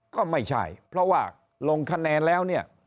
ก็ไม่ใช่เพราะว่าลงคะแนนแล้วเนี่ย